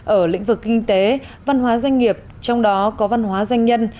ở lĩnh vực kinh tế văn hóa doanh nghiệp trong đó có văn hóa doanh nhân